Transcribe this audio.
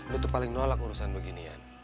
lo tuh paling nolak urusan beginian